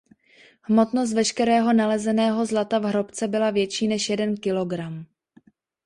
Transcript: Hmotnost veškerého nalezeného zlata v hrobce byla větší než jeden kilogram.